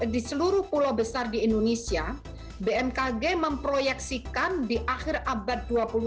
di seluruh pulau besar di indonesia bmkg memproyeksikan di akhir abad dua puluh dua